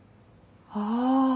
ああ。